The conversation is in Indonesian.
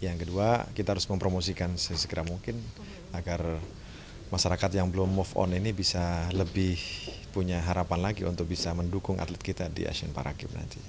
yang kedua kita harus mempromosikan sesegera mungkin agar masyarakat yang belum move on ini bisa lebih punya harapan lagi untuk bisa mendukung atlet kita di asian para games nanti